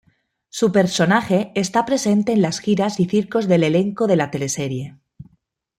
Su personaje está presente en las giras y circos del elenco de la teleserie.